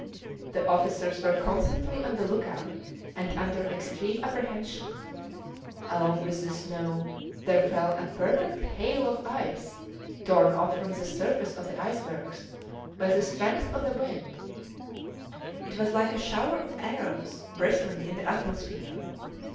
The officers were constantly on the look out and under extreme apprehension; along with the snow there fell a perfect hail of ice torn off from the surface of the icebergs by the strength of the wind; it was like a shower of arrows bristling in the atmosphere.